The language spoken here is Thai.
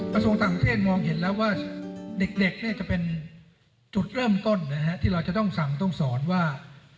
กระทรวงต่างประเทศมองเห็นแล้วว่าเด็กเนี่ยจะเป็นจุดเริ่มต้นที่เราจะต้องสั่งต้องสอนว่า